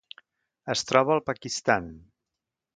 Es troba al Pakistan.